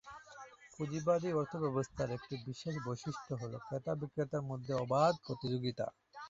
পুঁজিবাদী অর্থব্যবস্থায় একটি বিশেষ বৈশিষ্ট্য হল ক্রেতা ও বিক্রেতার মধ্যে অবাধ প্রতিযোগিতা।